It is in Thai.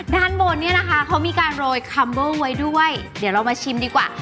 ด้านบนเนี่ยนะคะเขามีการโรยคัมเบิ้ลไว้ด้วยเดี๋ยวเรามาชิมดีกว่า